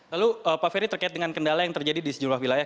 lalu pak ferry terkait dengan kendala yang terjadi di sejumlah wilayah